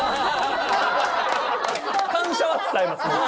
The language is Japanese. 感謝は伝えます